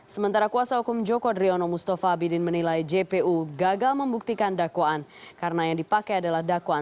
sementara kuasa hukum joko driono mustafa abidin menilai jpu gagal membuktikan dakwaan karena yang dipakai adalah dakwaan